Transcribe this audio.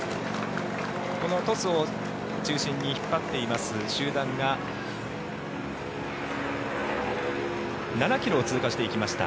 このトスを中心に引っ張っています集団が７ｋｍを通過していきました。